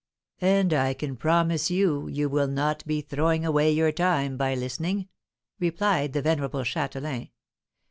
"And I can promise you you will not be throwing away your time by listening," replied the venerable Châtelain.